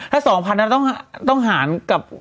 ถ้าสองพันนั่นต้องหารกับ